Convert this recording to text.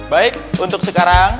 baik untuk sekarang